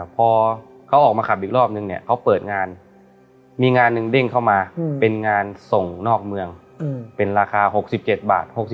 พอเขาออกมาขับอีกรอบนึงเนี่ยเขาเปิดงานมีงานหนึ่งเด้งเข้ามาเป็นงานส่งนอกเมืองเป็นราคา๖๗บาท